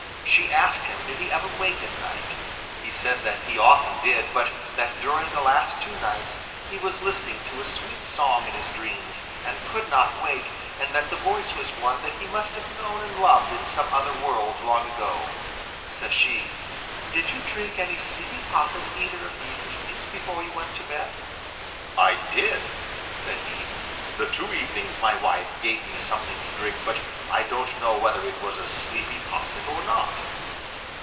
She asked him did he ever wake at night. He said that he often did, but that during the last two nights he was listening to a sweet song in his dreams, and could not wake, and that the voice was one that he must have known and loved in some other world long ago. Says she, 'Did you drink any sleepy posset either of these evenings before you went to bed?' 'I did,' said he. 'The two evenings my wife gave me something to drink, but I don't know whether it was a sleepy posset or not.